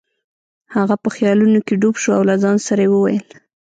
هغه په خیالونو کې ډوب شو او له ځان سره یې وویل.